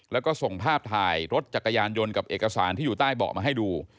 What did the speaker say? แล้วก็ส่งภาพถ่ายรถจักรยานยนต์กับเอกสารที่อยู่ใต้เบาะมาให้ดู